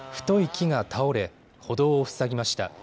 太い木が倒れ、歩道を塞ぎました。